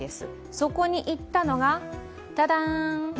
そこに行ったのが、ダダーン！